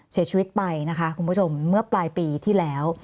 เสียชีวิตไปนะคะคุณผู้ชมเมื่อปลายปีที่แล้ว